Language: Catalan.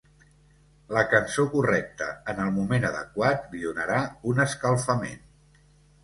La cançó correcta en el moment adequat li donarà un escalfament.